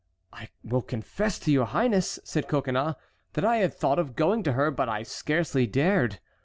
"I will confess to your highness," said Coconnas, "that I had thought of going to her, but I scarcely dared.